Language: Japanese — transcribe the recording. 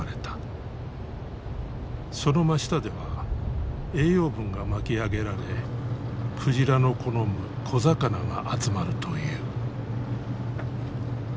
その真下では栄養分が巻き上げられ鯨の好む小魚が集まるという。